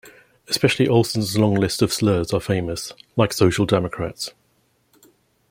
Especially Olsen's long list of slurs are famous, like social democrats!